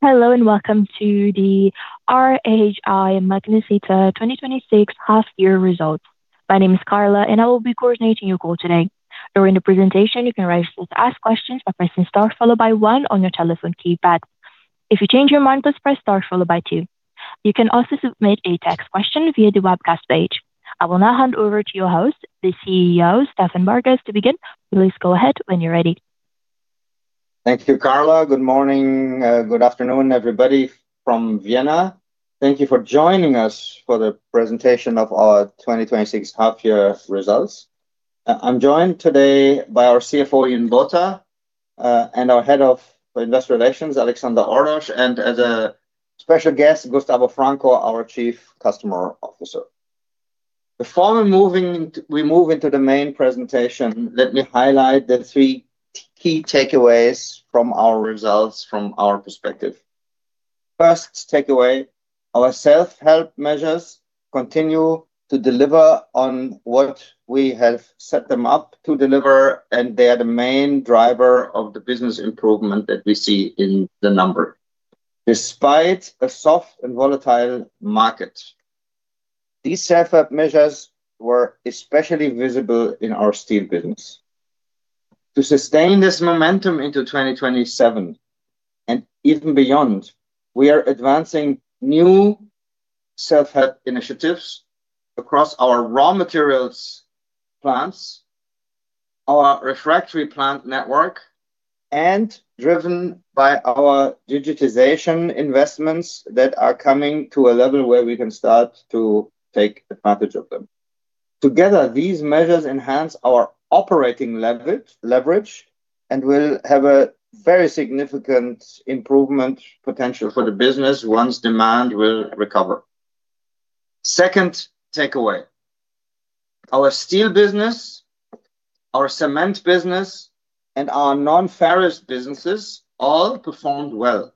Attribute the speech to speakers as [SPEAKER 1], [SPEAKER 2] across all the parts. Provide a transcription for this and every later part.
[SPEAKER 1] Hello, and welcome to the RHI Magnesita 2026 half-year results. My name is Carla, and I will be coordinating your call today. During the presentation, you can raise to ask questions by pressing star followed by one on your telephone keypad. If you change your mind, please press star followed by two. You can also submit a text question via the webcast page. I will now hand over to your host, the CEO, Stefan Borgas, to begin. Please go ahead when you're ready.
[SPEAKER 2] Thank you, Carla. Good morning. Good afternoon, everybody from Vienna. Thank you for joining us for the presentation of our 2026 half-year results. I'm joined today by our CFO, Ian Botha, and our Head of Investor Relations, Alexander Ordosch, and as a special guest, Gustavo Franco, our Chief Customer Officer. Before we move into the main presentation, let me highlight the three key takeaways from our results, from our perspective. First takeaway, our self-help measures continue to deliver on what we have set them up to deliver, and they are the main driver of the business improvement that we see in the number. Despite a soft and volatile market, these self-help measures were especially visible in our steel business. To sustain this momentum into 2027 and even beyond, we are advancing new self-help initiatives across our raw materials plants, our refractory plant network, and driven by our digitization investments that are coming to a level where we can start to take advantage of them. Together, these measures enhance our operating leverage and will have a very significant improvement potential for the business once demand will recover. Second takeaway, our steel business, our cement business, and our non-ferrous businesses all performed well.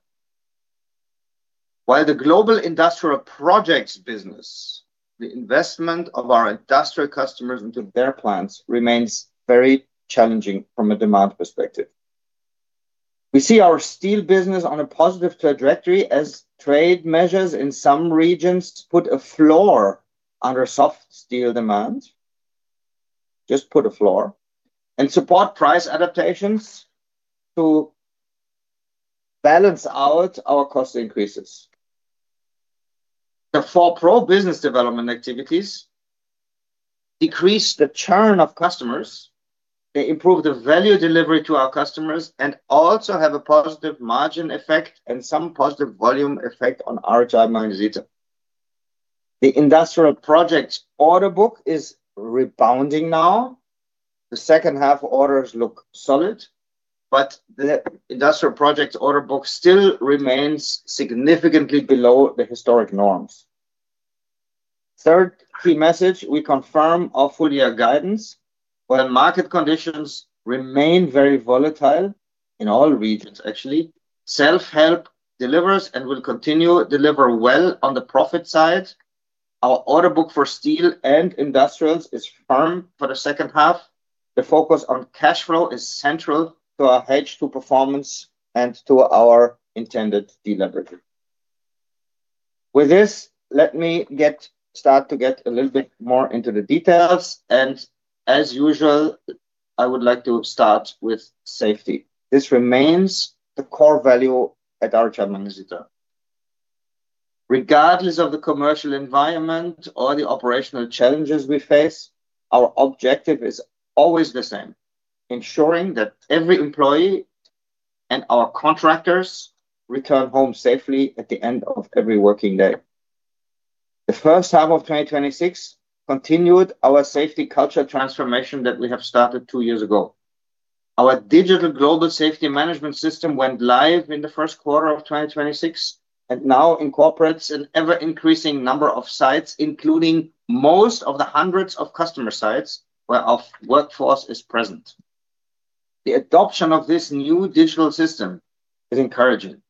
[SPEAKER 2] While the global industrial projects business, the investment of our industrial customers into their plants remains very challenging from a demand perspective. We see our steel business on a positive trajectory as trade measures in some regions put a floor under soft steel demand. Support price adaptations to balance out our cost increases. The 4PRO business development activities decrease the churn of customers. They improve the value delivery to our customers and also have a positive margin effect and some positive volume effect on RHI Magnesita. The industrial projects order book is rebounding now. The second half orders look solid, but the industrial projects order book still remains significantly below the historic norms. Third key message, we confirm our full-year guidance. While market conditions remain very volatile in all regions, actually, self-help delivers and will continue deliver well on the profit side. Our order book for steel and industrials is firm for the second half. The focus on cash flow is central to our H2 performance and to our intended deleveraging. With this, let me start to get a little bit more into the details. As usual, I would like to start with safety. This remains the core value at RHI Magnesita. Regardless of the commercial environment or the operational challenges we face, our objective is always the same, ensuring that every employee and our contractors return home safely at the end of every working day. The first half of 2026 continued our safety culture transformation that we have started two years ago. Our digital global safety management system went live in the first quarter of 2026 and now incorporates an ever-increasing number of sites, including most of the hundreds of customer sites where our workforce is present. The adoption of this new digital system is encouraging.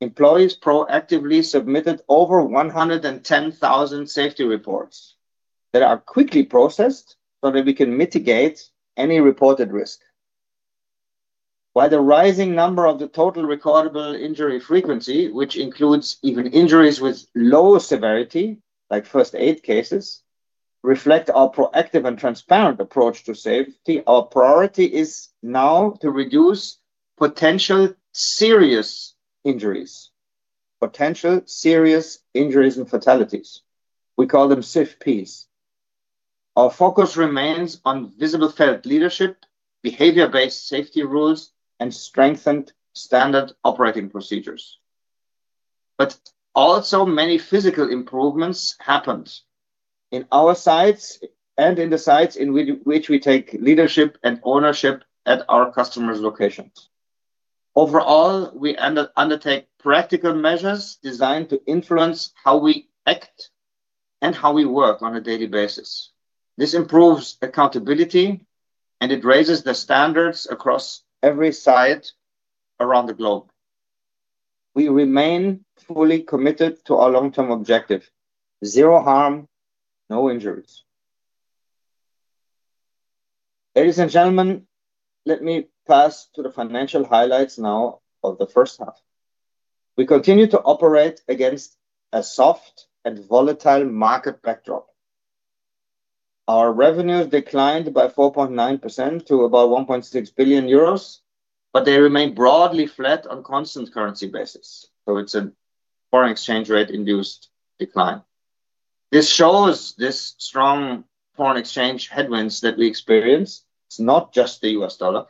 [SPEAKER 2] Employees proactively submitted over 110,000 safety reports that are quickly processed so that we can mitigate any reported risk. While the rising number of the total recordable injury frequency, which includes even injuries with low severity, like first aid cases, reflect our proactive and transparent approach to safety, our priority is now to reduce potential serious injuries and fatalities. We call them SIFPs. Our focus remains on visible felt leadership, behavior-based safety rules, and strengthened standard operating procedures. Also many physical improvements happened in our sites and in the sites in which we take leadership and ownership at our customers' locations. Overall, we undertake practical measures designed to influence how we act and how we work on a daily basis. This improves accountability, it raises the standards across every site around the globe. We remain fully committed to our long-term objective, zero harm, no injuries. Ladies and gentlemen, let me pass to the financial highlights now of the first half. We continue to operate against a soft and volatile market backdrop. Our revenues declined by 4.9% to about 1.6 billion euros, they remain broadly flat on constant currency basis. It's a foreign exchange rate-induced decline. This shows these strong foreign exchange headwinds that we experience, it's not just the U.S. dollar,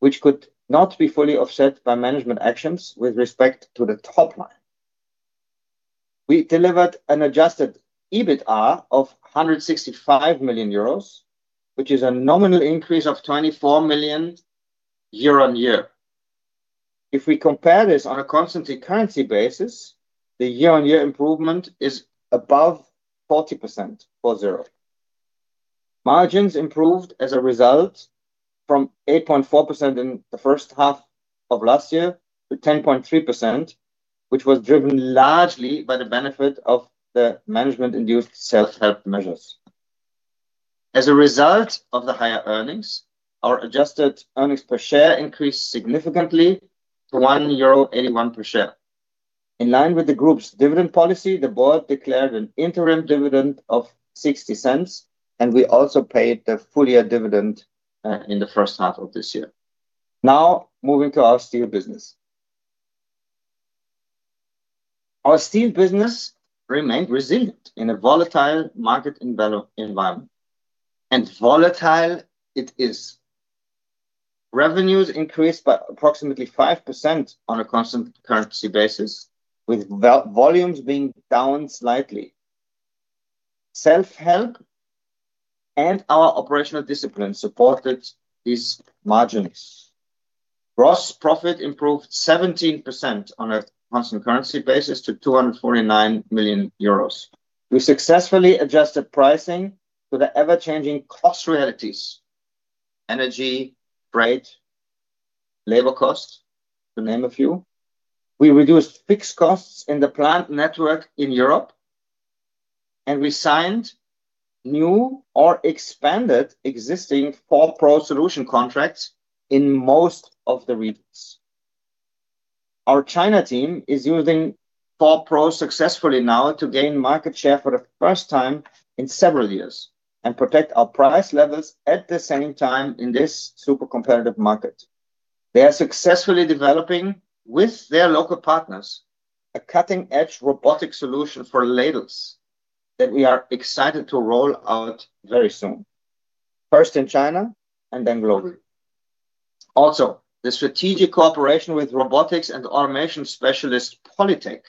[SPEAKER 2] which could not be fully offset by management actions with respect to the top line. We delivered an adjusted EBITDA of 165 million euros, which is a nominal increase of 24 million year-on-year. If we compare this on a constant currency basis, the year-on-year improvement is above 40%, four zero. Margins improved as a result from 8.4% in the first half of last year to 10.3%, which was driven largely by the benefit of the management-induced self-help measures. As a result of the higher earnings, our adjusted earnings per share increased significantly to 1.81 euro per share. In line with the group's dividend policy, the board declared an interim dividend of $0.60, and we also paid the full year dividend in the first half of this year. Now, moving to our steel business. Our steel business remained resilient in a volatile market environment. Volatile it is. Revenues increased by approximately 5% on a constant currency basis, with volumes being down slightly. Self-help and our operational discipline supported these margins. Gross profit improved 17% on a constant currency basis to 249 million euros. We successfully adjusted pricing to the ever-changing cost realities, energy, freight, labor cost, to name a few. We reduced fixed costs in the plant network in Europe, and we signed new or expanded existing 4PRO solution contracts in most of the regions. Our China team is using 4PRO successfully now to gain market share for the first time in several years and protect our price levels at the same time in this super competitive market. They are successfully developing, with their local partners, a cutting-edge robotic solution for ladles that we are excited to roll out very soon, first in China and then globally. Also, the strategic cooperation with robotics and automation specialist Polytec,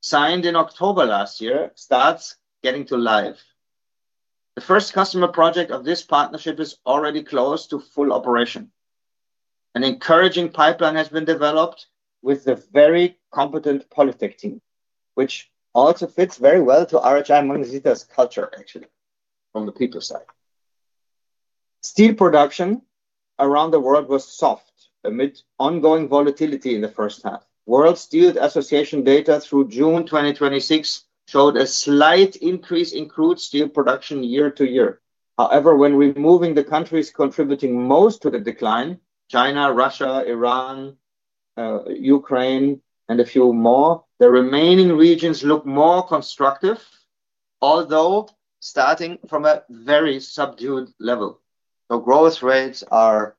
[SPEAKER 2] signed in October last year, starts getting to life. The first customer project of this partnership is already close to full operation. An encouraging pipeline has been developed with the very competent Polytec team, which also fits very well to RHI Magnesita culture, actually, from the people side. Steel production around the world was soft amid ongoing volatility in the first half. World Steel Association data through June 2026 showed a slight increase in crude steel production year-to-year. When removing the countries contributing most to the decline, China, Russia, Iran, Ukraine, and a few more, the remaining regions look more constructive, although starting from a very subdued level. Growth rates are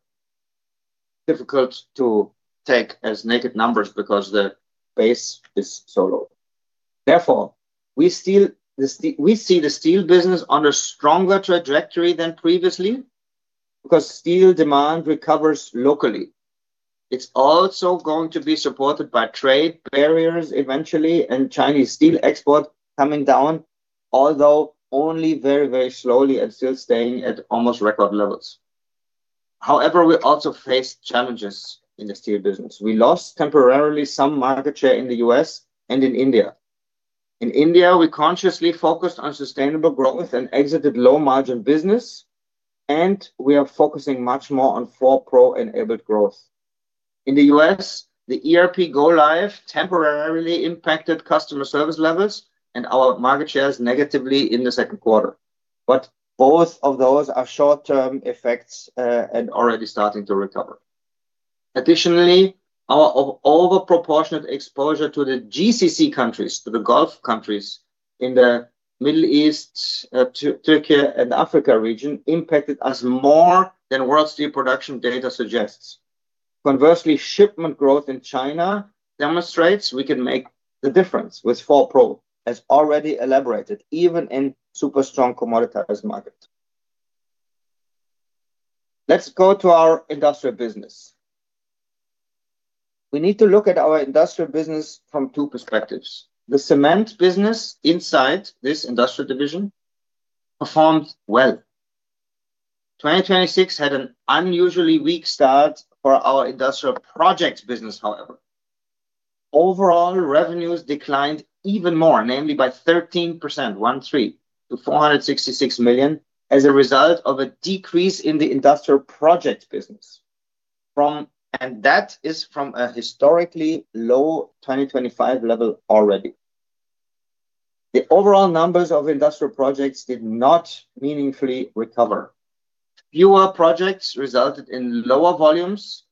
[SPEAKER 2] difficult to take as naked numbers because the base is so low. We see the steel business on a stronger trajectory than previously because steel demand recovers locally. It's also going to be supported by trade barriers eventually and Chinese steel export coming down, although only very slowly and still staying at almost record levels. We also face challenges in the steel business. We lost temporarily some market share in the U.S. and in India. In India, we consciously focused on sustainable growth and exited low-margin business, and we are focusing much more on 4PRO-enabled growth. In the U.S., the ERP go live temporarily impacted customer service levels and our market shares negatively in the second quarter. Both of those are short-term effects, and already starting to recover. Additionally, our over proportionate exposure to the GCC countries, to the Gulf countries in the Middle East, Turkey, and Africa region impacted us more than world steel production data suggests. Conversely, shipment growth in China demonstrates we can make the difference with 4PRO, as already elaborated, even in super strong commoditized market. Let's go to our industrial business. We need to look at our industrial business from two perspectives. The cement business inside this industrial division performed well. 2026 had an unusually weak start for our industrial projects business, however. Overall revenues declined even more, namely by 13%, one three, to 466 million as a result of a decrease in the industrial projects business. That is from a historically low 2025 level already. The overall numbers of industrial projects did not meaningfully recover. Fewer projects resulted in lower volumes,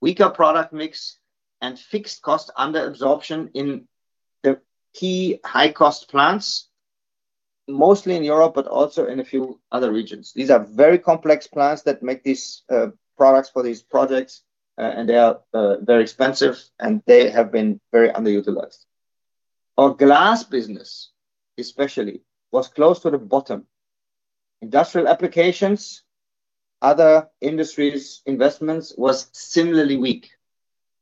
[SPEAKER 2] weaker product mix, and fixed cost under-absorption in the key high-cost plants, mostly in Europe, but also in a few other regions. These are very complex plants that make these products for these projects, and they are very expensive and they have been very underutilized. Our glass business especially was close to the bottom. Industrial applications, other industries investments was similarly weak.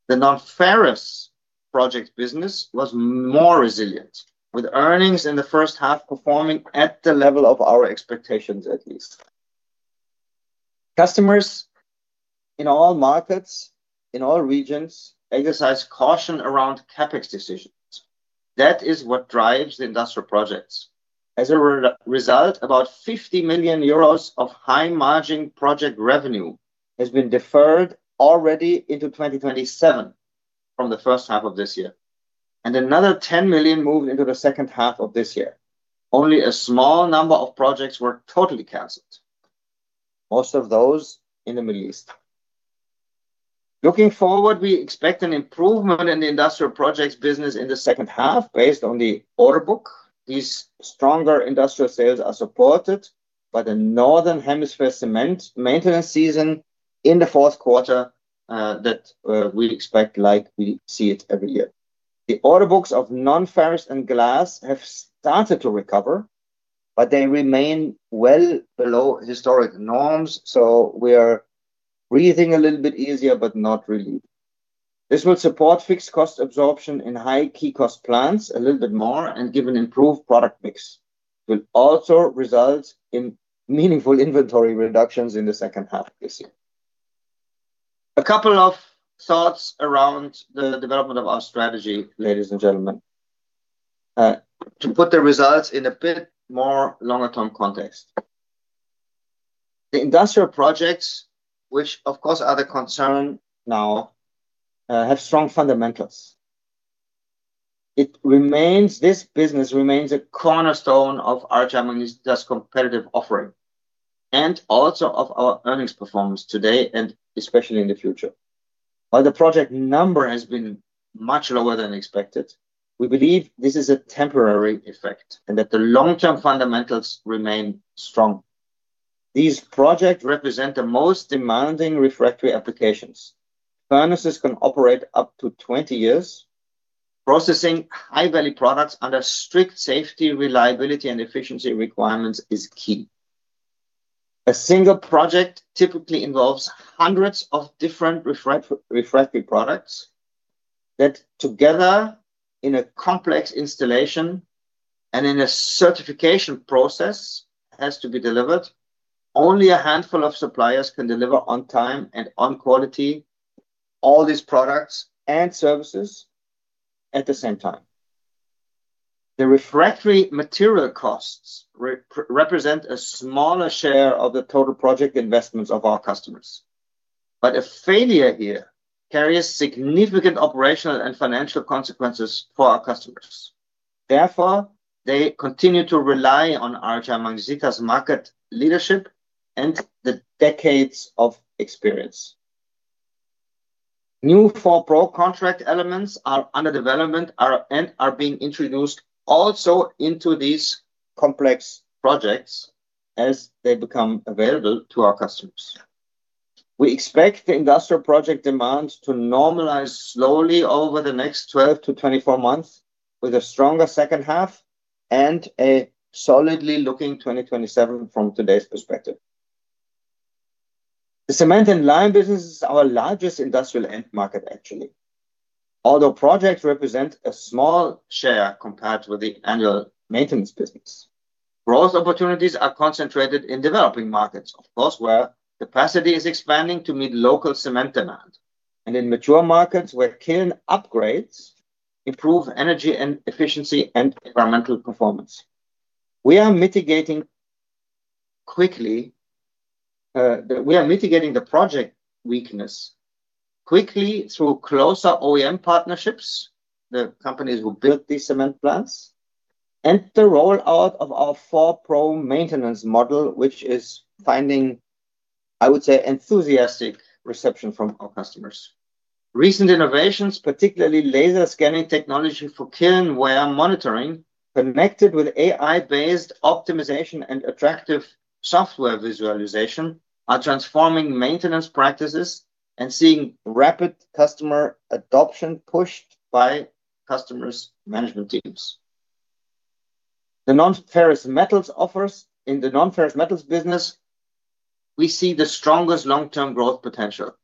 [SPEAKER 2] The non-ferrous project business was more resilient, with earnings in the first half performing at the level of our expectations, at least. Customers in all markets, in all regions exercise caution around CapEx decisions. That is what drives the industrial projects. As a result, about 50 million euros of high margin project revenue has been deferred already into 2027 from the first half of this year, and another 10 million moved into the second half of this year. Only a small number of projects were totally canceled, most of those in the Middle East. Looking forward, we expect an improvement in the industrial projects business in the second half based on the order book. These stronger industrial sales are supported by the Northern Hemisphere cement maintenance season in the fourth quarter, that we expect like we see it every year. The order books of non-ferrous and glass have started to recover but they remain well below historic norms. We are breathing a little bit easier, but not relieved. This will support fixed cost absorption in high key cost plants a little bit more and give an improved product mix, will also result in meaningful inventory reductions in the second half of this year. A couple of thoughts around the development of our strategy, ladies and gentlemen. To put the results in a bit more longer-term context. The industrial projects, which of course are the concern now, have strong fundamentals. This business remains a cornerstone of RHI Magnesita's competitive offering and also of our earnings performance today and especially in the future. While the project number has been much lower than expected, we believe this is a temporary effect and that the long-term fundamentals remain strong. These projects represent the most demanding refractory applications. Furnaces can operate up to 20 years. Processing high-value products under strict safety, reliability, and efficiency requirements is key. A single project typically involves hundreds of different refractory products that together in a complex installation and in a certification process has to be delivered. Only a handful of suppliers can deliver on time and on quality all these products and services at the same time. The refractory material costs represent a smaller share of the total project investments of our customers. A failure here carries significant operational and financial consequences for our customers. Therefore, they continue to rely on RHI Magnesita's market leadership and the decades of experience. New 4PRO contract elements are under development and are being introduced also into these complex projects as they become available to our customers. We expect the industrial project demand to normalize slowly over the next 12-24 months with a stronger second half and a solidly looking 2027 from today's perspective. The cement and lime business is our largest industrial end market, actually. Although projects represent a small share compared with the annual maintenance business. Growth opportunities are concentrated in developing markets, of course, where capacity is expanding to meet local cement demand, and in mature markets where kiln upgrades improve energy and efficiency and environmental performance. We are mitigating the project weakness quickly through closer OEM partnerships, the companies who build these cement plants, and the rollout of our 4PRO maintenance model, which is finding, I would say, enthusiastic reception from our customers. Recent innovations, particularly laser scanning technology for kiln wear monitoring, connected with AI-based optimization and attractive software visualization, are transforming maintenance practices and seeing rapid customer adoption pushed by customers' management teams. The non-ferrous metals offers in the non-ferrous metals business, we see the strongest long-term growth potential.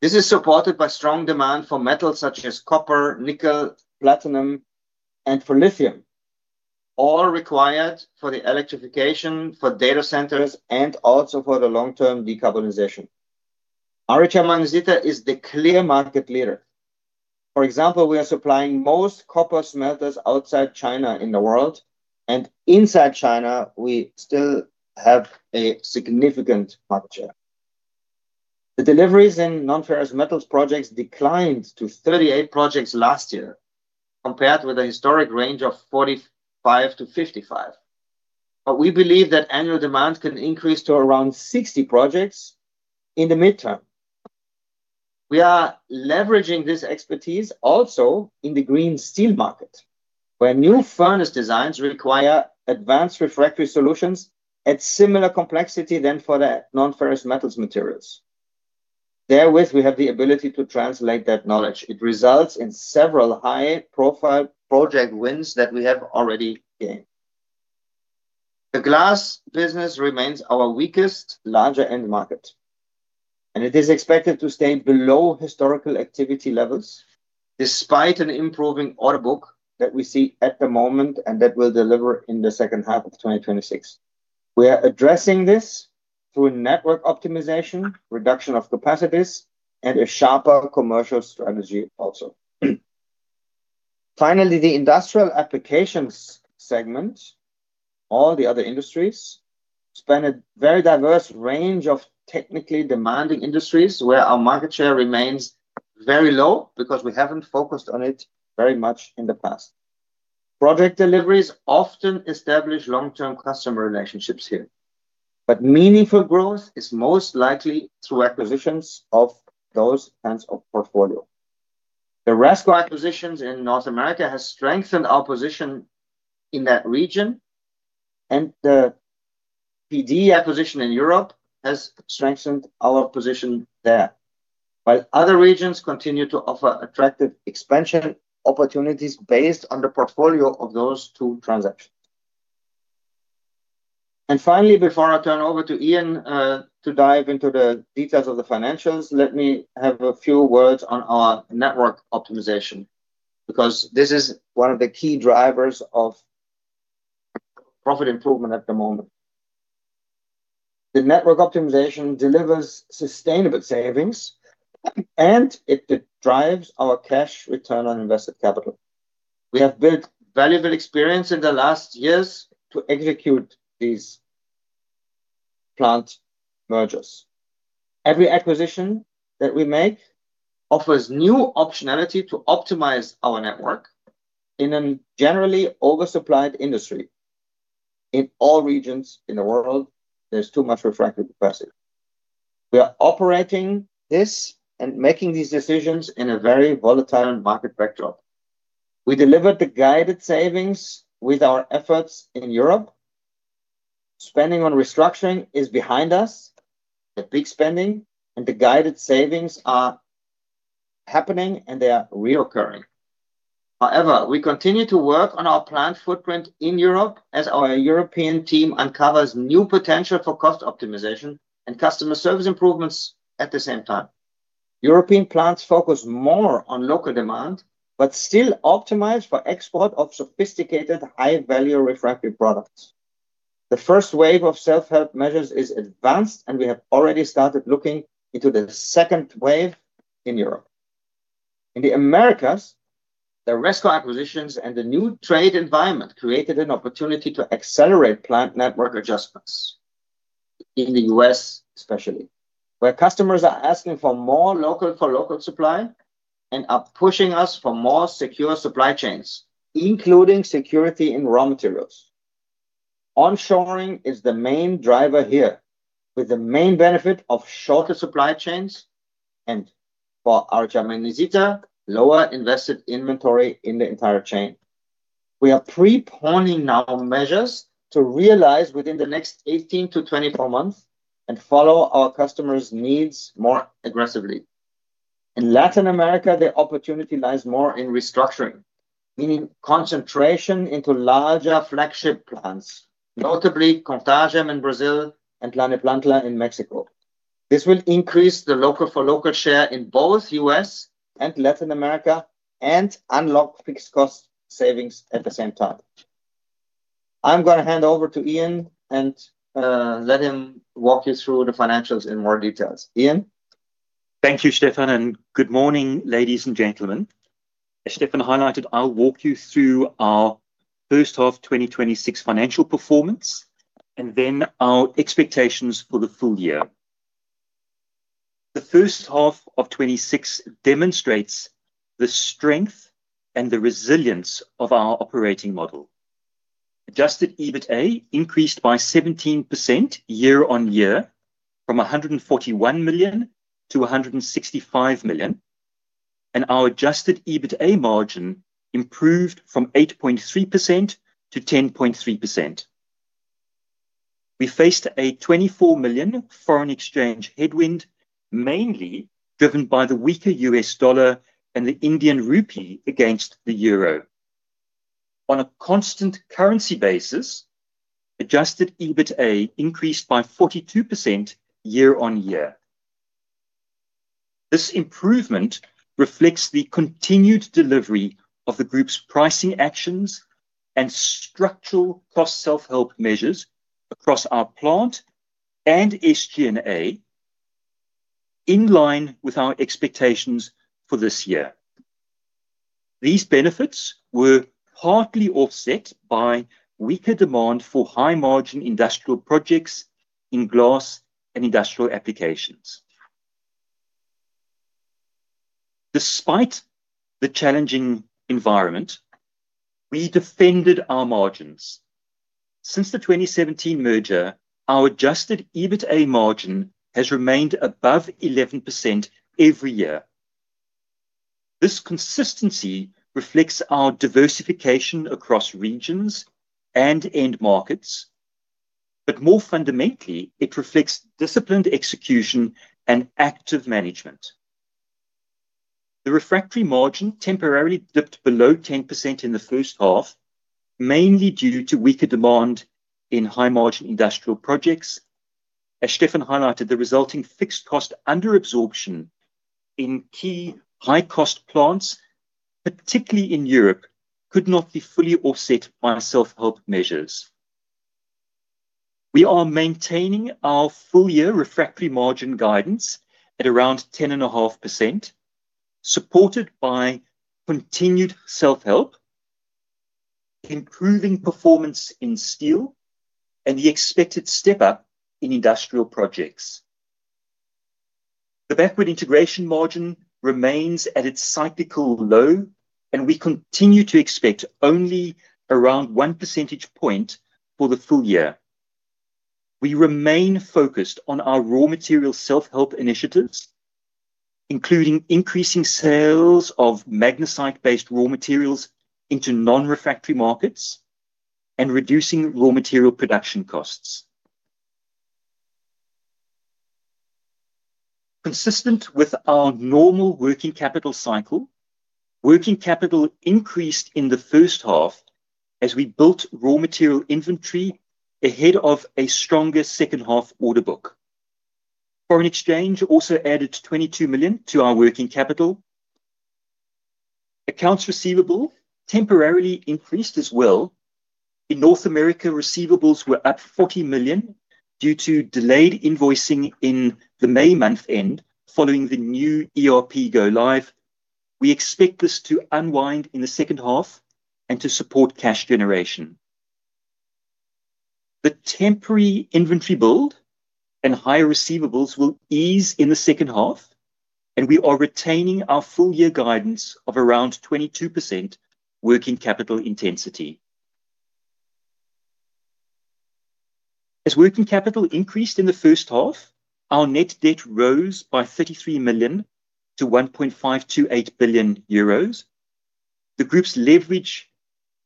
[SPEAKER 2] This is supported by strong demand for metals such as copper, nickel, platinum, and for lithium, all required for the electrification for data centers and also for the long-term decarbonization. RHI Magnesita is the clear market leader. For example, we are supplying most copper smelters outside China in the world and inside China, we still have a significant market share. The deliveries in non-ferrous metals projects declined to 38 projects last year compared with a historic range of 45-55. We believe that annual demand can increase to around 60 projects in the midterm. We are leveraging this expertise also in the green steel market, where new furnace designs require advanced refractory solutions at similar complexity than for the non-ferrous metals materials. Therewith, we have the ability to translate that knowledge. It results in several high-profile project wins that we have already gained. The glass business remains our weakest larger end market. It is expected to stay below historical activity levels despite an improving order book that we see at the moment and that will deliver in the second half of 2026. We are addressing this through network optimization, reduction of capacities, and a sharper commercial strategy also. Finally, the industrial applications segment, all the other industries, span a very diverse range of technically demanding industries where our market share remains very low because we haven't focused on it very much in the past. Project deliveries often establish long-term customer relationships here. Meaningful growth is most likely through acquisitions of those kinds of portfolio. The Resco acquisitions in North America has strengthened our position in that region, and the P-D acquisition in Europe has strengthened our position there, while other regions continue to offer attractive expansion opportunities based on the portfolio of those two transactions. Finally, before I turn over to Ian to dive into the details of the financials, let me have a few words on our network optimization, because this is one of the key drivers of profit improvement at the moment. The network optimization delivers sustainable savings and it drives our cash return on invested capital. We have built valuable experience in the last years to execute these plant mergers. Every acquisition that we make offers new optionality to optimize our network in a generally oversupplied industry. In all regions in the world, there's too much refractory capacity. We are operating this and making these decisions in a very volatile market backdrop. We delivered the guided savings with our efforts in Europe. Spending on restructuring is behind us. The big spending and the guided savings are happening and they are reoccurring. However, we continue to work on our plant footprint in Europe as our European team uncovers new potential for cost optimization and customer service improvements at the same time. European plants focus more on local demand, but still optimize for export of sophisticated high-value refractory products. The first wave of self-help measures is advanced, and we have already started looking into the second wave in Europe. In the Americas, the Resco acquisitions and the new trade environment created an opportunity to accelerate plant network adjustments in the U.S., especially, where customers are asking for more local-for-local supply and are pushing us for more secure supply chains, including security in raw materials. Onshoring is the main driver here, with the main benefit of shorter supply chains and for RHI Magnesita, lower invested inventory in the entire chain. We are pre-planning now measures to realize within the next 18-24 months and follow our customers' needs more aggressively. In Latin America, the opportunity lies more in restructuring, meaning concentration into larger flagship plants, notably Contagem in Brazil and Tlalnepantla in Mexico. This will increase the local-for-local share in both U.S. and Latin America and unlock fixed cost savings at the same time. I am going to hand over to Ian and let him walk you through the financials in more details. Ian?
[SPEAKER 3] Thank you, Stefan, and good morning, ladies and gentlemen. As Stefan highlighted, I will walk you through our first half 2026 financial performance and then our expectations for the full year. The first half of 2026 demonstrates the strength and the resilience of our operating model. Adjusted EBITDA increased by 17% year on year from 141 million to 165 million, and our adjusted EBITDA margin improved from 8.3% to 10.3%. We faced a 24 million foreign exchange headwind, mainly driven by the weaker U.S. dollar and the Indian rupee against the euro. On a constant currency basis, adjusted EBITDA increased by 42% year on year. This improvement reflects the continued delivery of the group's pricing actions and structural cost self-help measures across our plant and SG&A in line with our expectations for this year. These benefits were partly offset by weaker demand for high margin industrial projects in glass and industrial applications. Despite the challenging environment, we defended our margins. Since the 2017 merger, our adjusted EBITDA margin has remained above 11% every year. This consistency reflects our diversification across regions and end markets, but more fundamentally, it reflects disciplined execution and active management. The refractory margin temporarily dipped below 10% in the first half, mainly due to weaker demand in high margin industrial projects. As Stefan highlighted, the resulting fixed cost under absorption in key high cost plants, particularly in Europe, could not be fully offset by self-help measures. We are maintaining our full year refractory margin guidance at around 10.5%, supported by continued self-help, improving performance in steel, and the expected step up in industrial projects. The backward integration margin remains at its cyclical low, and we continue to expect only around one percentage point for the full year. We remain focused on our raw material self-help initiatives, including increasing sales of magnesite-based raw materials into non-refractory markets and reducing raw material production costs. Consistent with our normal working capital cycle, working capital increased in the first half as we built raw material inventory ahead of a stronger second half order book. Foreign exchange also added 22 million to our working capital. Accounts receivable temporarily increased as well. In North America, receivables were up 40 million due to delayed invoicing in the May month end following the new ERP go live. We expect this to unwind in the second half and to support cash generation. The temporary inventory build and higher receivables will ease in the second half, and we are retaining our full year guidance of around 22% working capital intensity. As working capital increased in the first half, our net debt rose by 33 million to 1.528 billion euros. The group's leverage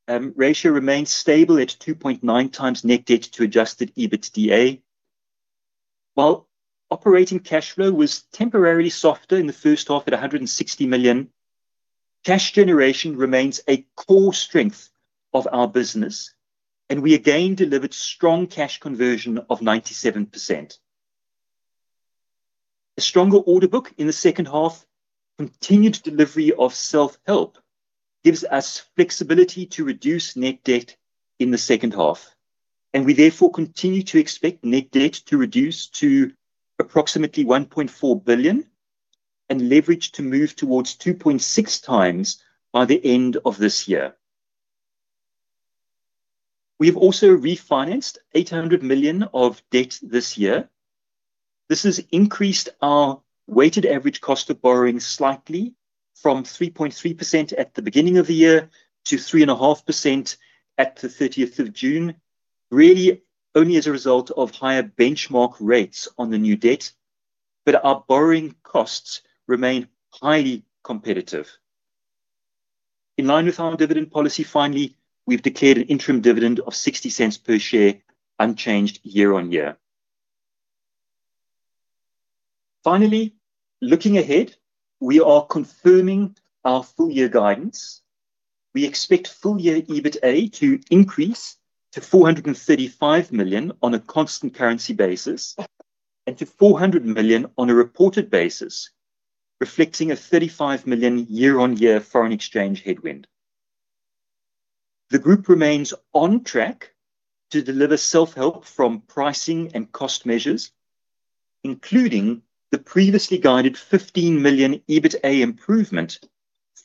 [SPEAKER 3] ratio remains stable at 2.9 times net debt to adjusted EBITDA. While operating cash flow was temporarily softer in the first half at 160 million, cash generation remains a core strength of our business, and we again delivered strong cash conversion of 97%. A stronger order book in the second half, continued delivery of self-help gives us flexibility to reduce net debt in the second half, and we therefore continue to expect net debt to reduce to approximately 1.4 billion and leverage to move towards 2.6 times by the end of this year. We have also refinanced 800 million of debt this year. This has increased our weighted average cost of borrowing slightly from 3.3% at the beginning of the year to 3.5% at the 30th of June, really only as a result of higher benchmark rates on the new debt, but our borrowing costs remain highly competitive. In line with our dividend policy finally, we've declared an interim dividend of $0.60 per share unchanged year-on-year. Finally, looking ahead, we are confirming our full year guidance. We expect full year EBITDA to increase to 435 million on a constant currency basis and to 400 million on a reported basis, reflecting a 35 million year-on-year foreign exchange headwind. The group remains on track to deliver self-help from pricing and cost measures, including the previously guided 15 million EBITDA improvement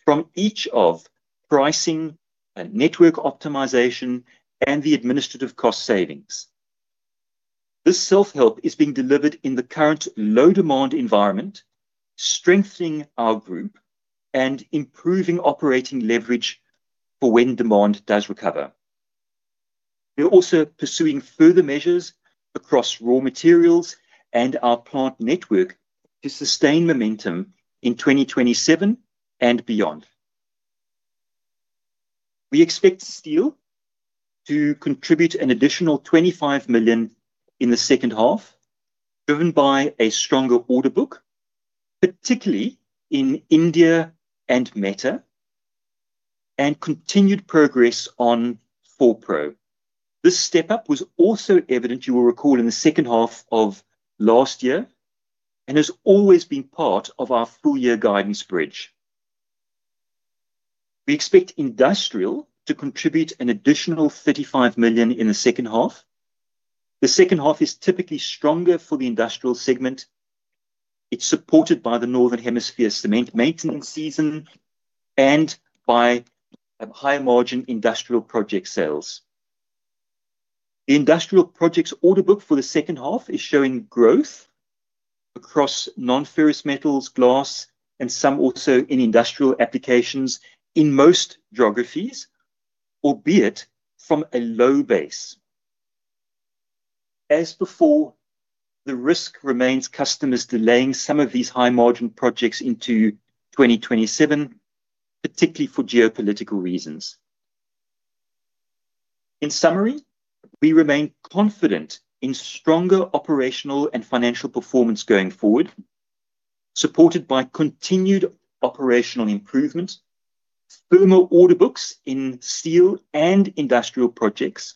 [SPEAKER 3] from each of pricing and network optimization and the administrative cost savings. This self-help is being delivered in the current low demand environment, strengthening our group and improving operating leverage for when demand does recover. We are also pursuing further measures across raw materials and our plant network to sustain momentum in 2027 and beyond. We expect steel to contribute an additional 25 million in the second half, driven by a stronger order book, particularly in India and META, and continued progress on 4PRO. This step up was also evident, you will recall, in the second half of last year and has always been part of our full year guidance bridge. We expect industrial to contribute an additional 35 million in the second half. The second half is typically stronger for the industrial segment. It's supported by the Northern Hemisphere cement maintenance season and by high margin industrial project sales. The industrial projects order book for the second half is showing growth across non-ferrous metals, glass, and some also in industrial applications in most geographies, albeit from a low base. As before, the risk remains customers delaying some of these high margin projects into 2027, particularly for geopolitical reasons. In summary, we remain confident in stronger operational and financial performance going forward, supported by continued operational improvements, firmer order books in steel and industrial projects,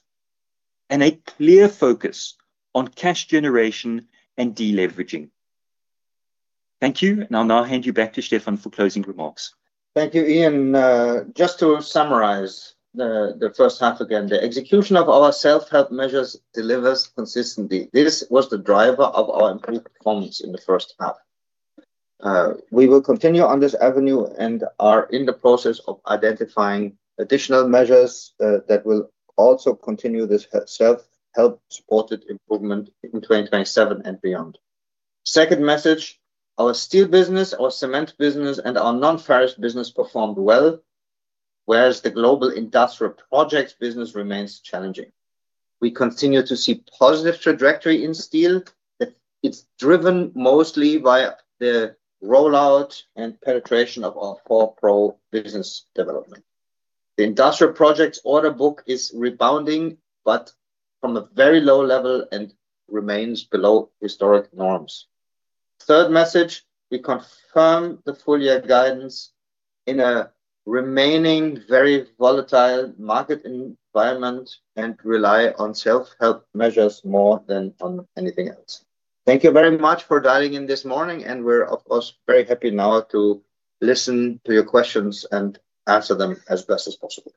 [SPEAKER 3] and a clear focus on cash generation and de-leveraging. Thank you. I'll now hand you back to Stefan for closing remarks.
[SPEAKER 2] Thank you, Ian. Just to summarize the first half again, the execution of our self-help measures delivers consistently. This was the driver of our improved performance in the first half. We will continue on this avenue and are in the process of identifying additional measures that will also continue this self-help supported improvement in 2027 and beyond. Second message. Our steel business, our cement business, and our non-ferrous business performed well, whereas the global industrial projects business remains challenging. We continue to see positive trajectory in steel. It's driven mostly via the rollout and penetration of our 4PRO business development. The industrial projects order book is rebounding, but from a very low level, and remains below historic norms. Third message. We confirm the full year guidance in a remaining very volatile market environment and rely on self-help measures more than on anything else. Thank you very much for dialing in this morning. We're, of course, very happy now to listen to your questions and answer them as best as possible.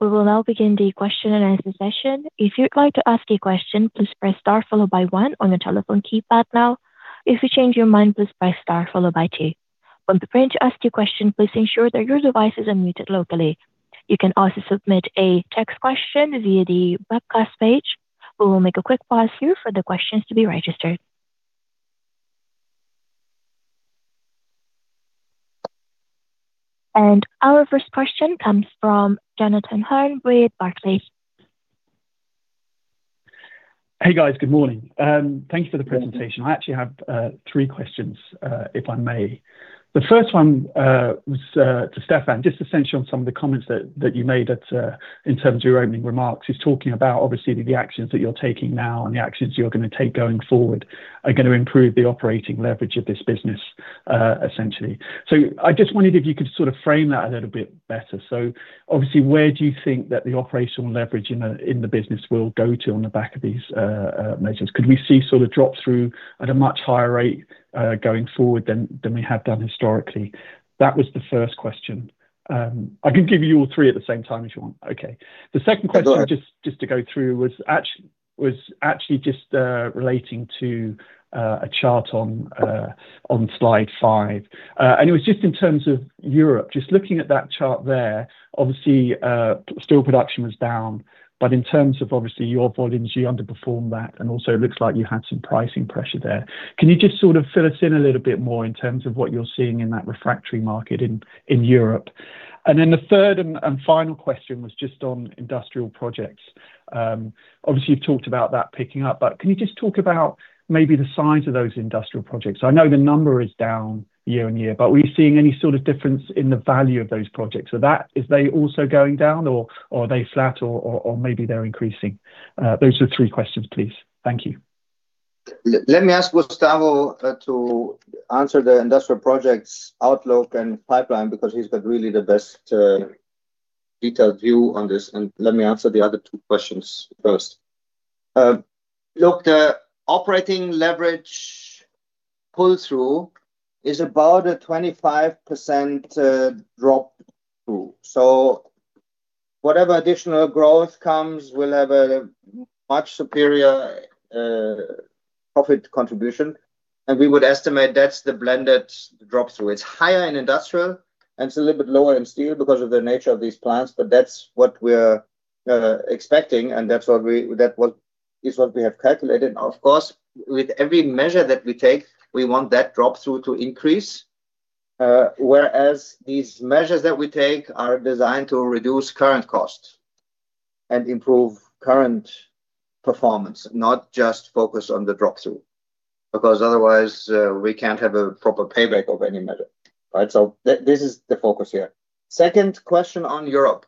[SPEAKER 1] We will now begin the question-and-answer session. If you'd like to ask a question, please press star followed by one on your telephone keypad now. If you change your mind, press star followed by two. When preparing to ask your question, please ensure that your device is unmuted locally. You can also submit a text question via the webcast page. We will make a quick pause here for the questions to be registered. Our first question comes from Jonathan Hurn with Barclays.
[SPEAKER 4] Hey, guys. Good morning. Thank you for the presentation. I actually have three questions, if I may. The first one was to Stefan on some of the comments that you made in terms of your opening remarks. You're talking about the actions that you're taking now and the actions you're going to take going forward are going to improve the operating leverage of this business. I wondered if you could frame that a little bit better. Where do you think that the operational leverage in the business will go to on the back of these measures? Could we see drop-through at a much higher rate going forward than we have done historically? That was the first question. I can give you all three at the same time if you want. Okay.
[SPEAKER 2] Sure.
[SPEAKER 4] The second question was relating to a chart on slide five. It was in terms of Europe. Looking at that chart there, steel production was down. In terms of your volumes, you underperformed that, and it looks like you had some pricing pressure there. Can you fill us in a little bit more in terms of what you're seeing in that refractory market in Europe? The third and final question was on industrial projects. You've talked about that picking up, but can you talk about maybe the size of those industrial projects? I know the number is down year-on-year, but were you seeing any sort of difference in the value of those projects? Are they going down, or are they flat, or maybe they're increasing? Those are the three questions, please. Thank you.
[SPEAKER 2] Let me ask Gustavo to answer the industrial projects outlook and pipeline because he's got really the best detailed view on this, and let me answer the other two questions first. Look, the operating leverage pull-through is about a 25% drop-through. Whatever additional growth comes will have a much superior profit contribution, and we would estimate that's the blended drop-through. It's higher in industrial, and it's a little bit lower in steel because of the nature of these plants. That's what we're expecting, and that is what we have calculated. Of course, with every measure that we take, we want that drop-through to increase, whereas these measures that we take are designed to reduce current costs and improve current performance, not just focus on the drop-through, because otherwise, we can't have a proper payback of any measure. Right? This is the focus here. Second question on Europe.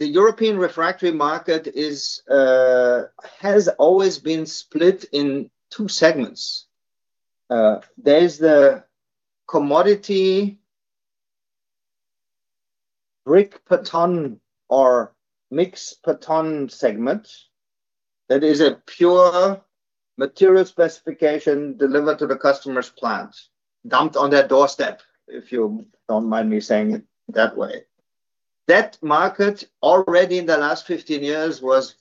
[SPEAKER 2] The European refractory market has always been split in two segments. There is the commodity brick per ton or mix per ton segment. That is a pure material specification delivered to the customer's plant, dumped on their doorstep, if you don't mind me saying it that way. That market already in the last 15 years was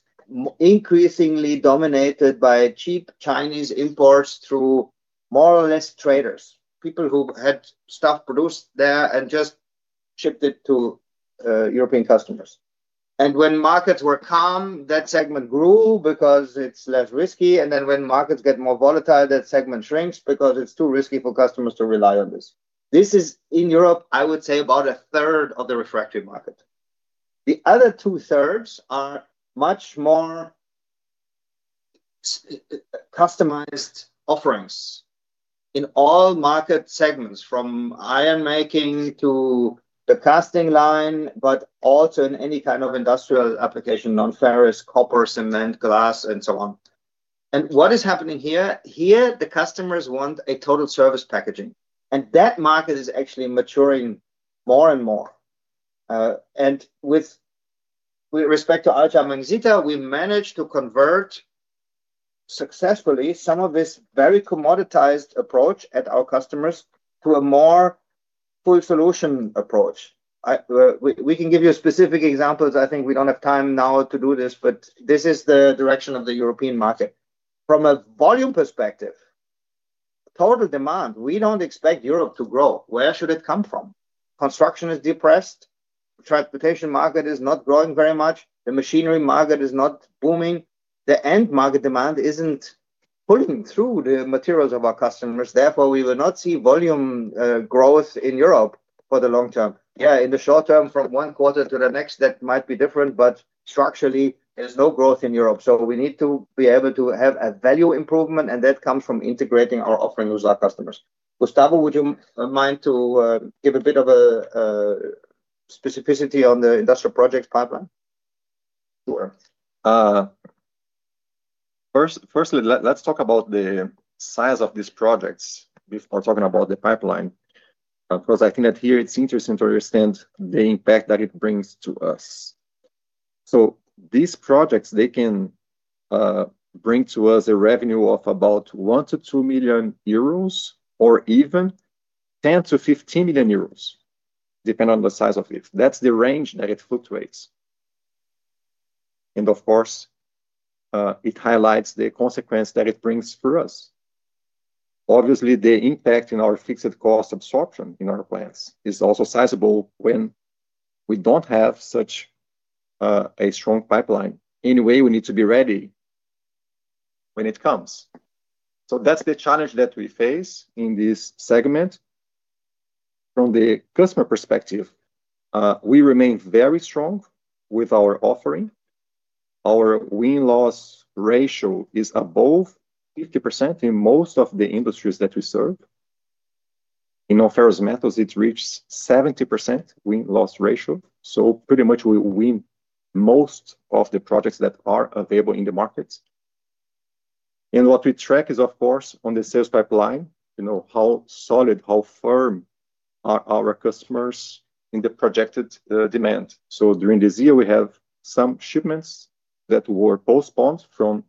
[SPEAKER 2] increasingly dominated by cheap Chinese imports through more or less traders, people who had stuff produced there and just shipped it to European customers. When markets were calm, that segment grew because it's less risky. When markets get more volatile, that segment shrinks because it's too risky for customers to rely on this. This is in Europe, I would say, about 1/3 of the refractory market. The other two thirds are much more customized offerings in all market segments, from iron making to the casting line, but also in any kind of industrial application, non-ferrous, copper, cement, glass, and so on. What is happening here, the customers want a total service packaging, and that market is actually maturing more and more. With respect to RHI Magnesita, we managed to convert successfully some of this very commoditized approach at our customers to a more full solution approach. We can give you specific examples. I think we don't have time now to do this. This is the direction of the European market. From a volume perspective, total demand, we don't expect Europe to grow. Where should it come from? Construction is depressed. Transportation market is not growing very much. The machinery market is not booming. The end market demand isn't pulling through the materials of our customers. Therefore, we will not see volume growth in Europe for the long term. Yeah, in the short term, from one quarter to the next, that might be different. Structurally, there's no growth in Europe. We need to be able to have a value improvement, and that comes from integrating our offering with our customers. Gustavo, would you mind to give a bit of a specificity on the industrial projects pipeline?
[SPEAKER 5] Sure. Firstly, let's talk about the size of these projects before talking about the pipeline. Of course, I think that here it's interesting to understand the impact that it brings to us. These projects, they can bring to us a revenue of about 1 million-2 million euros or even 10 million-15 million euros, depending on the size of it. That's the range that it fluctuates. Of course, it highlights the consequence that it brings for us. Obviously, the impact in our fixed cost absorption in our plants is also sizable when we don't have such a strong pipeline. Anyway, we need to be ready when it comes. That's the challenge that we face in this segment. From the customer perspective, we remain very strong with our offering. Our win-loss ratio is above 50% in most of the industries that we serve. In ferrous metals, it reaches 70% win-loss ratio. Pretty much we win most of the projects that are available in the market. What we track is, of course, on the sales pipeline, how solid, how firm are our customers in the projected demand. During this year, we have some shipments that were postponed from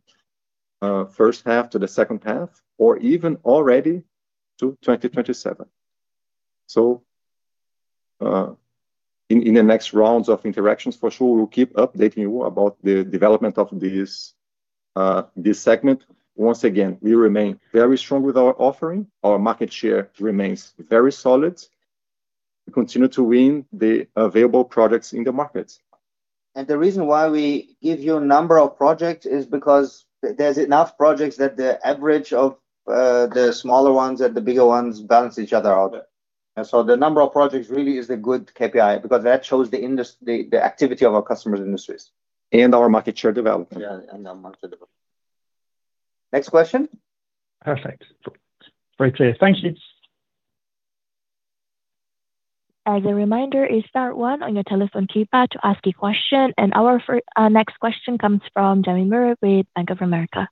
[SPEAKER 5] first half to the second half, or even already to 2027. In the next rounds of interactions, for sure, we'll keep updating you about the development of this segment. Once again, we remain very strong with our offering. Our market share remains very solid. We continue to win the available products in the market.
[SPEAKER 2] The reason why we give you a number of projects is because there's enough projects that the average of the smaller ones and the bigger ones balance each other out.
[SPEAKER 5] Yeah.
[SPEAKER 2] The number of projects really is a good KPI because that shows the activity of our customers' industries.
[SPEAKER 5] Our market share development.
[SPEAKER 2] Yeah, our market development. Next question.
[SPEAKER 4] Perfect. Very clear. Thank you.
[SPEAKER 1] As a reminder, a star one on your telephone keypad to ask a question. Our next question comes from Jamie Murray with Bank of America.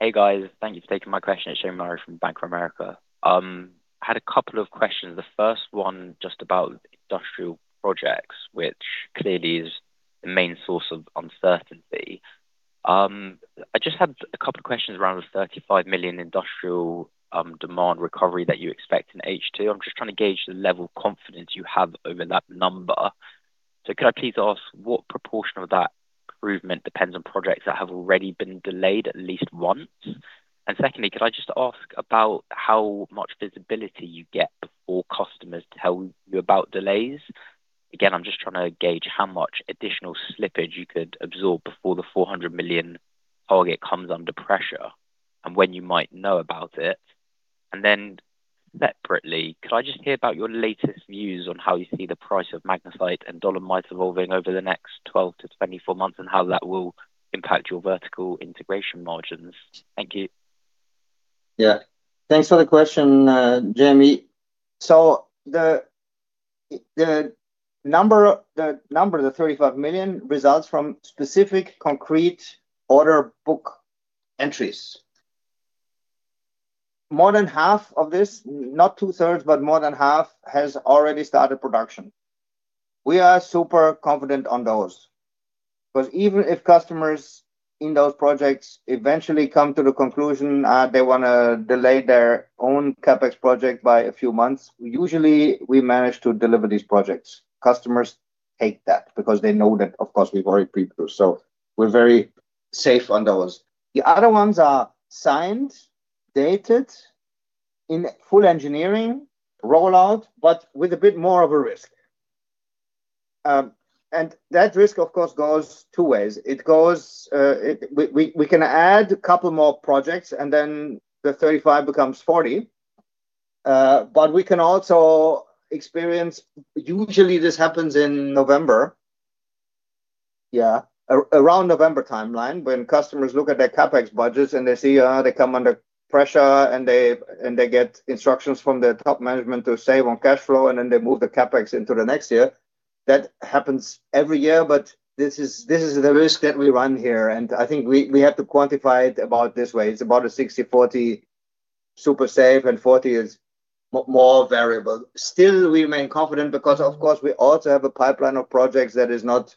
[SPEAKER 6] Hey, guys. Thank you for taking my question. It is Jamie Murray from Bank of America. I had a couple of questions. The first one just about industrial projects, which clearly is the main source of uncertainty. I just had a couple of questions around the 35 million industrial demand recovery that you expect in H2. I am just trying to gauge the level of confidence you have over that number. Could I please ask what proportion of that improvement depends on projects that have already been delayed at least once? Secondly, could I just ask about how much visibility you get before customers tell you about delays? Again, I am just trying to gauge how much additional slippage you could absorb before the 400 million target comes under pressure and when you might know about it. Separately, could I just hear about your latest views on how you see the price of magnesite and dolomite evolving over the next 12-24 months, and how that will impact your vertical integration margins? Thank you.
[SPEAKER 2] Thanks for the question, Jamie. The number, the 35 million results from specific concrete order book entries. More than half of this, not two-thirds, but more than half has already started production. We are super confident on those because even if customers in those projects eventually come to the conclusion they want to delay their own CapEx project by a few months, usually we manage to deliver these projects. Customers take that because they know that, of course, we have already pre-approved, so we are very safe on those. The other ones are signed, dated, in full engineering, rollout, but with a bit more of a risk. That risk, of course, goes two ways. We can add a couple more projects, then the 35 becomes 40. We can also experience, usually this happens in November. Around November timeline, when customers look at their CapEx budgets and they see they come under pressure and they get instructions from their top management to save on cash flow, then they move the CapEx into the next year. That happens every year, this is the risk that we run here, and I think we have to quantify it about this way. It is about a 60/40 super safe and 40 is more variable. Still, we remain confident because, of course, we also have a pipeline of projects that is not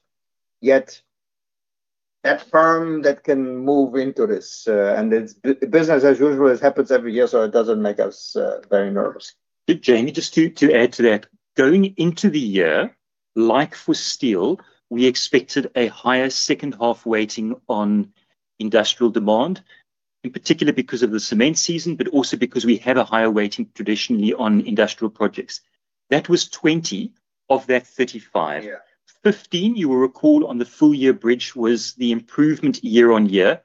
[SPEAKER 2] yet that firm that can move into this. It is business as usual, as happens every year, so it does not make us very nervous.
[SPEAKER 3] Jamie, just to add to that. Going into the year, like for steel, we expected a higher second half weighting on industrial demand, in particular because of the cement season, but also because we have a higher weighting traditionally on industrial projects. That was 20 of that 35.
[SPEAKER 2] Yeah.
[SPEAKER 3] 15, you will recall on the full year bridge, was the improvement year-on-year.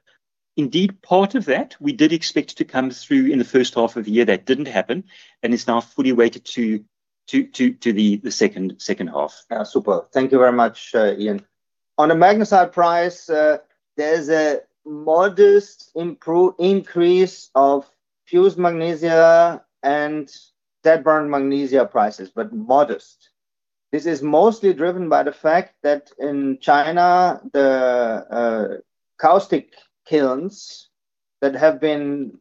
[SPEAKER 3] Indeed, part of that we did expect to come through in the first half of the year. That didn't happen, and it's now fully weighted to the second half.
[SPEAKER 2] Yeah, super. Thank you very much, Ian. On the magnesite price, there's a modest increase of fused magnesia and dead-burned magnesia prices, but modest. This is mostly driven by the fact that in China, the caustic kilns that have been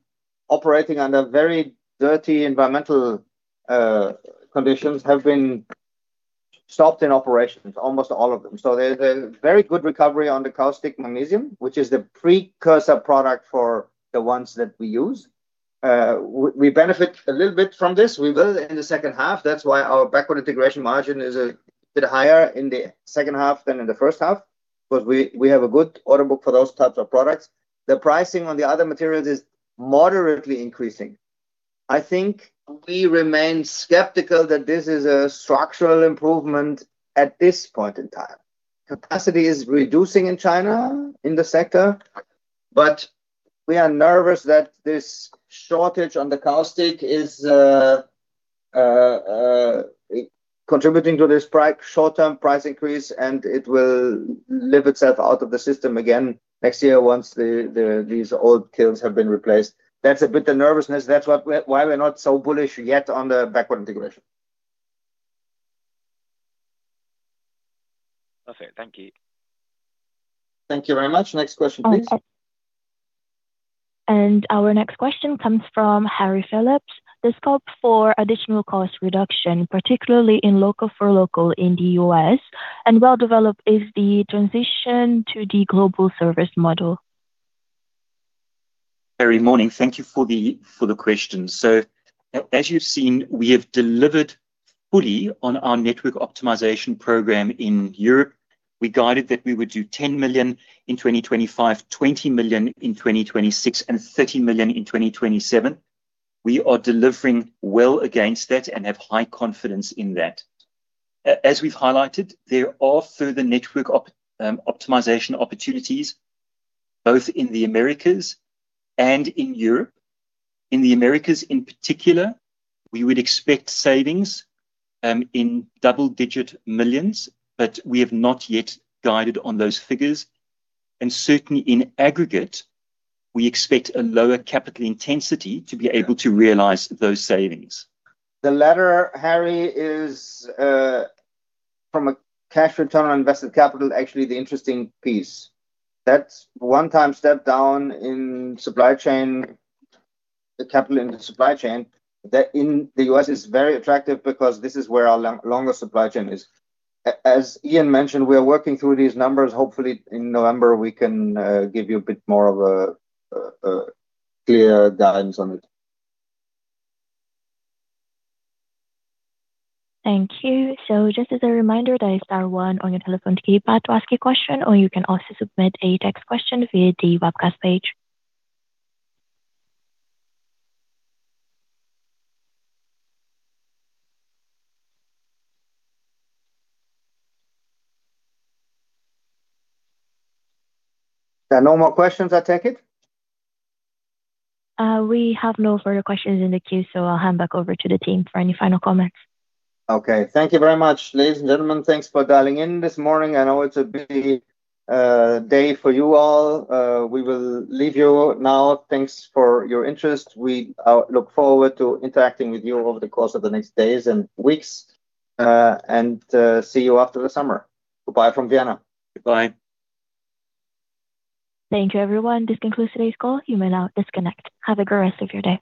[SPEAKER 2] operating under very dirty environmental conditions have been stopped in operations, almost all of them. There's a very good recovery on the caustic magnesia, which is the precursor product for the ones that we use. We benefit a little bit from this. We will in the second half. That's why our backward integration margin is a bit higher in the second half than in the first half because we have a good order book for those types of products. The pricing on the other materials is moderately increasing. I think we remain skeptical that this is a structural improvement at this point in time. Capacity is reducing in China in the sector, we are nervous that this shortage on the caustic is contributing to this short-term price increase and it will live itself out of the system again next year once these old kilns have been replaced. That's a bit the nervousness. That's why we're not so bullish yet on the backward integration.
[SPEAKER 6] Perfect. Thank you.
[SPEAKER 2] Thank you very much. Next question, please.
[SPEAKER 1] Our next question comes from Harry Phillips. The scope for additional cost reduction, particularly in local for local in the U.S., and well developed is the transition to the global service model.
[SPEAKER 3] Harry, morning. Thank you for the question. As you've seen, we have delivered fully on our network optimization program in Europe. We guided that we would do 10 million in 2025, 20 million in 2026, and 30 million in 2027. We are delivering well against that and have high confidence in that. As we've highlighted, there are further network optimization opportunities both in the Americas and in Europe. In the Americas in particular, we would expect savings in double-digit millions, but we have not yet guided on those figures. Certainly, in aggregate, we expect a lower capital intensity to be able to realize those savings.
[SPEAKER 2] The latter, Harry, is from a cash return on invested capital, actually the interesting piece. That's one time step down in supply chain, the capital in the supply chain. That in the U.S. is very attractive because this is where our longer supply chain is. As Ian mentioned, we are working through these numbers. Hopefully in November, we can give you a bit more of a clear guidance on it.
[SPEAKER 1] Thank you. Just as a reminder, dial star one on your telephone keypad to ask a question, or you can also submit a text question via the webcast page.
[SPEAKER 2] There are no more questions, I take it?
[SPEAKER 1] We have no further questions in the queue, I'll hand back over to the team for any final comments.
[SPEAKER 2] Okay. Thank you very much, ladies and gentlemen. Thanks for dialing in this morning. I know it's a big day for you all. We will leave you now. Thanks for your interest. We look forward to interacting with you over the course of the next days and weeks. See you after the summer. Goodbye from Vienna.
[SPEAKER 3] Goodbye.
[SPEAKER 1] Thank you, everyone. This concludes today's call. You may now disconnect. Have a great rest of your day.